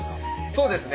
そうですね。